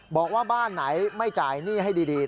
บอกว่าบ้านไหนไม่จ่ายหนี้ให้ดี